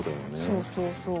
そうそうそう。